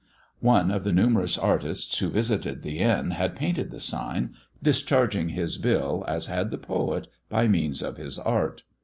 '* One of the numerous artists who visited the inn had painted the sign, discharging his bill, as had the poet, by means of his art.